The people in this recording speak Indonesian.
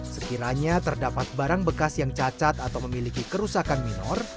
sekiranya terdapat barang bekas yang cacat atau memiliki kerusakan minor